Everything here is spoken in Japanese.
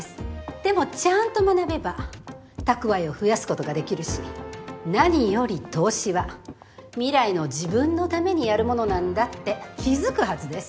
でもちゃんと学べば蓄えを増やすことができるし何より投資は未来の自分のためにやるものなんだって気付くはずです。